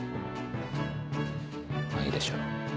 まぁいいでしょう